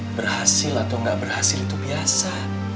berhasil atau nggak berhasil itu biasa